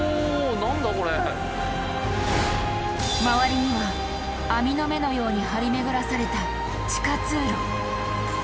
周りには網の目のように張り巡らされた地下通路。